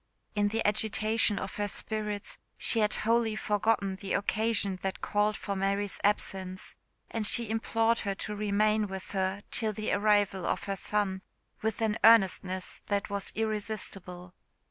In the agitation of her spirits she had wholly forgotten the occasion that called for Mary's absence, and she implored her to remain with her till the arrival of her son with an earnestness that was irresistible.